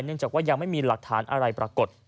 เนื่องจากยังไม่มีหลักฐานอะไรปรากฏ